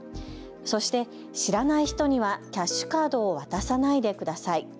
そして知らない人にはキャッシュカードを渡さないでください。